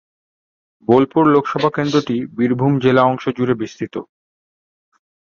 বোলপুর লোকসভা কেন্দ্রটি বীরভূম জেলা অংশ জুড়ে বিস্তৃত।